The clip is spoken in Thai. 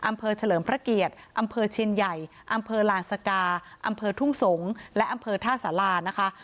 เฉลิมพระเกียรติอำเภอเชียนใหญ่อำเภอลานสกาอำเภอทุ่งสงศ์และอำเภอท่าสารานะคะ